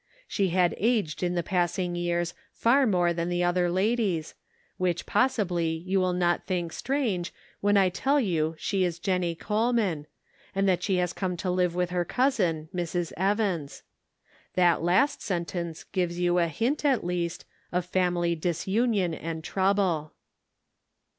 She had aged in the passing years far more than the other ladies, which possibly you will not think strange when I tell you she is Jennie Coleman, and that she has come to live with her cousin, Mrs. Evans. That last sentence gives you a hint, at least, of family disunion and trouble.